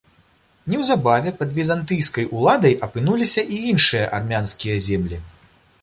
Неўзабаве пад візантыйскай уладай апынуліся і іншыя армянскія землі.